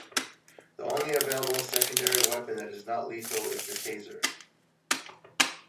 The only available secondary weapon that is not lethal is the Taser.